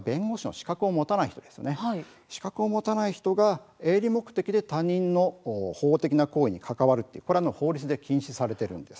資格を持たない人が営利目的で他人の法的な行為に関わるというのは法律で禁止されていきます。